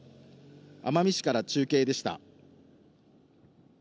奄美市から中継でした。